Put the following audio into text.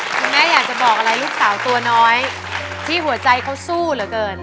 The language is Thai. คุณแม่อยากจะบอกอะไรลูกสาวตัวน้อยที่หัวใจเขาสู้เหลือเกิน